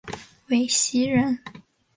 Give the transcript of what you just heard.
韦陟人。